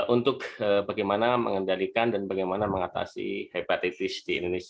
untuk bagaimana mengendalikan dan bagaimana mengatasi hepatitis di indonesia